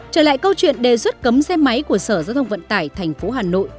trở lại câu chuyện đề xuất cấm xe máy của sở giao thông vận tải thành phố hà nội